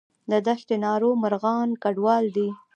د دشت ناور مرغان کډوال دي